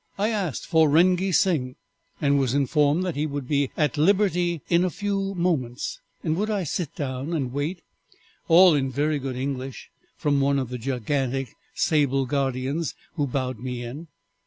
I asked for Rengee Sing, and was informed that he would 'be at liberty in a few moments,' and 'would I sit down and wait,' all in very good English from one of the gigantic sable guardians who bowed me in.